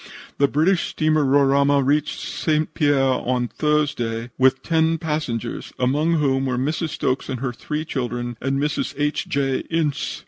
"The British steamer Roraima reached St. Pierre on Thursday with ten passengers, among whom were Mrs. Stokes and her three children, and Mrs. H. J. Ince.